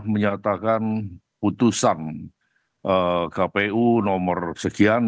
menyatakan putusan kpu nomor sekian